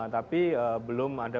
tapi belum ada